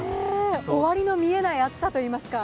終わりの見えない暑さといいますか。